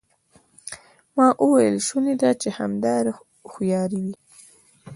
ما وویل شونې ده چې همدا هوښیاري وي.